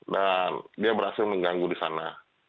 dan dia berhasil mengganggu di sana